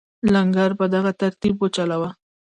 لنګر په دغه ترتیب وچلاوه.